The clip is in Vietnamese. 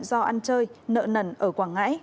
do ăn chơi nợ nẩn ở quảng ngãi